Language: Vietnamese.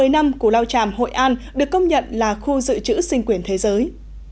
một mươi năm của lao tràm hội an được công nhận là khu dự trữ sinh quyền thế giới